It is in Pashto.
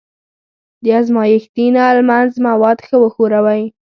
د ازمایښتي نل منځ مواد ښه وښوروئ.